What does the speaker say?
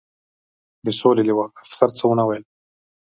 د سولې لوا، افسر څه و نه ویل.